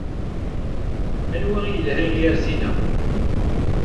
Anwa i yelhan gar sin-a?